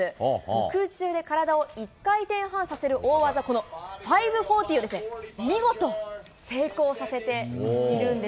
空中で体を１回転半させる大技、この５４０を見事成功させているんです。